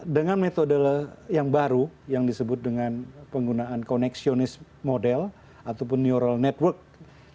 dengan metode yang baru yang disebut dengan penggunaan connectionist model ataupun neural network